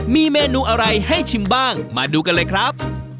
มีเมนูอะไรให้ชิมบ้างมาดูกันเลยครับ